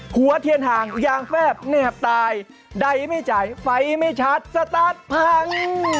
หัวเทียนห่างยางแฟบแนบตายใดไม่จ่ายไฟไม่ชัดสตาร์ทพัง